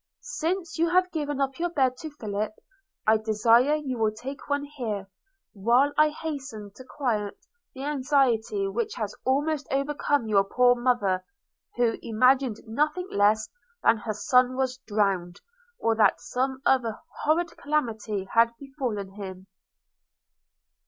Since you have given up your bed to Philip, I desire you will take one here, while I hasten to quiet the anxiety which has almost overcome your poor mother, who imagined nothing less than that her son was drowned, or that some other horrid calamity had befallen him.'